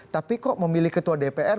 tapi kok memilih ketua dpr